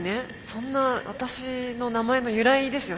そんな私の名前の由来ですよ